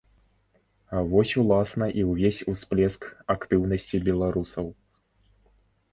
Вось уласна і ўвесь усплеск актыўнасці беларусаў.